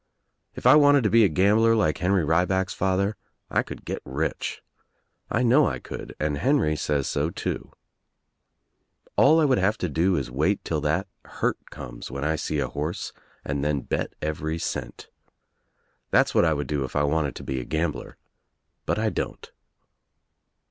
If I wanted » to be a gambler like Henry Rieback's father I could get rich. I know I could and Henry says so too. All I would have to do is to wait 'til that hurt comes when I see a horse and then bet every cent. That's what I would do if I wanted to be a gambler, but I don't.